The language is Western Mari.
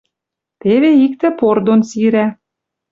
Теве иктӹ пор дон сирӓ: